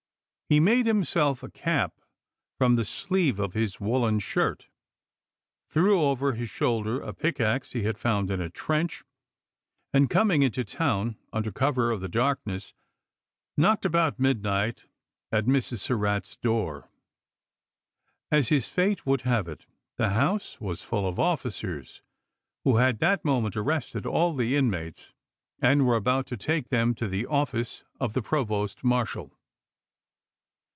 He made himself a cap from the sleeve of his woolen shirt, threw over his shoulder a pickax he had found in a trench, and coming into town under cover of the darkness knocked about midnight at Mrs. Surratt's door. As his fate would have it, the house was full of officers who had that moment arrested all the inmates and were about to take them to the office of the provost marshal.